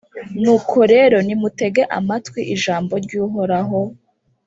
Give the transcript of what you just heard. Nuko rero, nimutege amatwi ijambo ry’Uhoraho,